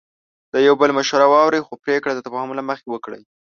د یو بل مشوره واورئ، خو پریکړه د تفاهم له مخې وکړئ.